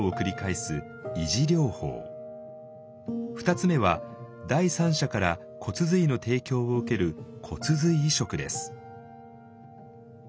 ２つ目は第三者から骨髄の提供を受ける骨髄移植です。